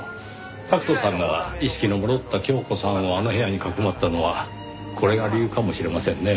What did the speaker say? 拓人さんが意識の戻った恭子さんをあの部屋にかくまったのはこれが理由かもしれませんねぇ。